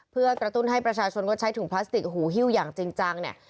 เพื่อกระตุ้นให้ประชาชนงดใช้ถุงพลาสติกหูฮิ้วอย่างจริงจังเนี่ย